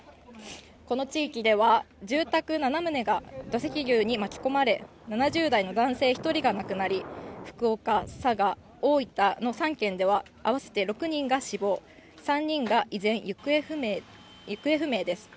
この地域では住宅７棟が土石流に巻き込まれ７０代の男性１人が亡くなり、福岡、佐賀、大分の３県では合わせて６人が死亡３人が依然、行方不明です。